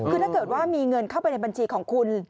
คือถ้าเกิดว่ามีเงินเข้าไปในบัญชีของคุณ